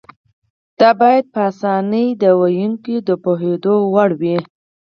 دا باید په اسانۍ د ویونکي د پوهېدو وړ وي.